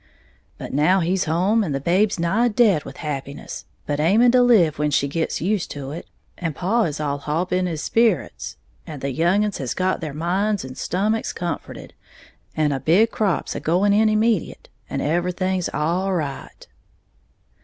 "But now he's home, and the babe's nigh dead with happiness, but aiming to live when she gits used to it, and paw is all holp up in his spirits, and the young uns has got their minds and stomachs comforted, and a big crap's a going in immediate, and everything's all right."